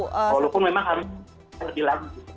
walaupun memang harus terlebih lagi